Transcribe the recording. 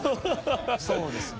そうですね。